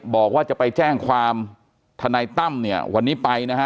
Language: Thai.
บอกว่าจะไปแจ้งความทนายตั้มเนี่ยวันนี้ไปนะฮะ